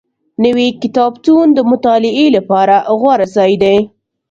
نوی کتابتون د مطالعې لپاره غوره ځای دی